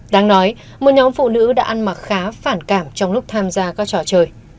đáng nói một nhóm phụ nữ đã ăn mặc khá phản cảm trong lúc tham gia các trò chơi